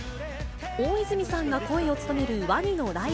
大泉さんが声を務めるワニのライ